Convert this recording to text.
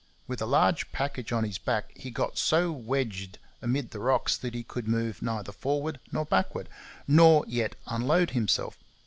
With a large package on his back, he got so wedged amid the rocks that he could move neither forward nor backward, nor yet unload himself.